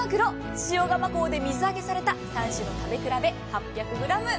塩釜港で水揚げされた３種の食べ比べ８００ｇ。